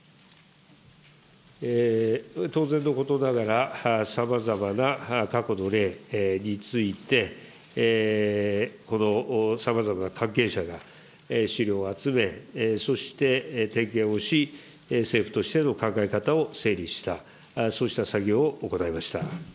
当然のことながら、さまざまな過去の例について、このさまざまな関係者が資料を集め、そして点検をし、政府としての考え方を整理した、そうした作業を行いました。